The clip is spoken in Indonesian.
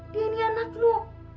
dia ini anak lu